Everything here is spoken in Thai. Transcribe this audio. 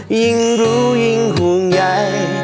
ยิ่งรู้ยิ่งห่วงใหญ่